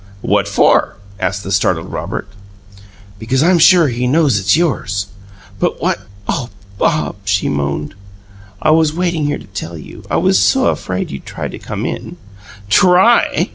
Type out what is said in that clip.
"What for?" asked the startled Robert. "Because I'm sure he knows it's yours." "But what " "Oh, Bob," she moaned, "I was waiting here to tell you. I was so afraid you'd try to come in " "TRY!"